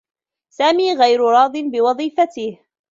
سامي غير راضٍ بوظيفته.